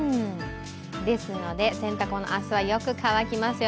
ですので、洗濯物、明日はよく乾きますよ。